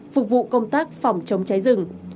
phục vụ công tác phòng chống cháy rừng